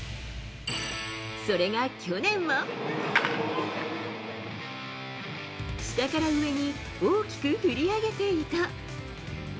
それが去年は、下から上に大きく振り上げていた。